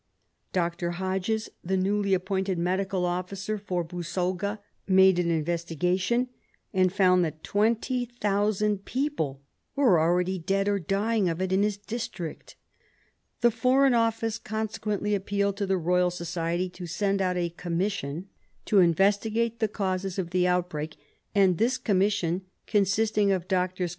Dr. Hodges, the newly appointed Medical Officer for Busoga, made an investigation and found that 20,000 people were already dead or dying of it in his district. The Foreign Office consequently appealed to the Royal Society to send out a Commission to investigate the causes of the outbreak, and this Commission, consisting of Drs.